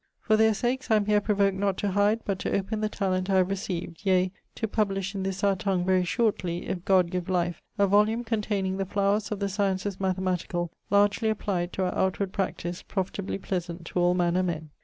For their sakes I am here provoked not to hide but to open the talent I have recieved, yea, to publish in this our tongue very shortly if God give life a volumne containing the flowers of the sciences mathematicall largely applied to our outward practise profitably pleasant to all manner men.